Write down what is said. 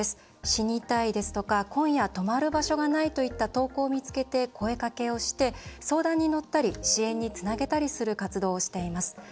「死にたい」ですとか「今夜泊まる場所がない」といった投稿を見つけて声かけをして相談に乗ったり支援につなげたりする活動をしています。